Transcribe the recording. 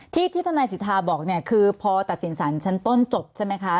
ที่ที่ทนายสิทธาบอกเนี่ยคือพอตัดสินสารชั้นต้นจบใช่ไหมคะ